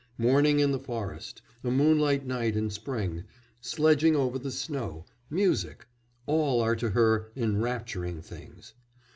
Morning in the forest, a moonlight night in spring, sledging over the snow, music all are to her enrapturing things.